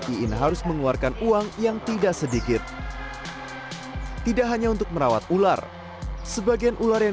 iin harus mengeluarkan uang yang tidak sedikit tidak hanya untuk merawat ular sebagian ular yang